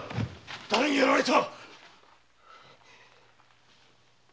だれにやられた！